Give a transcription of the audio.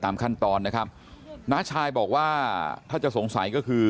แล้วก็ยัดลงถังสีฟ้าขนาด๒๐๐ลิตร